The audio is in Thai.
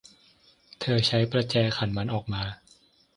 เธอใช้ประแจขันมันออกมา